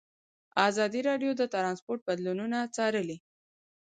ازادي راډیو د ترانسپورټ بدلونونه څارلي.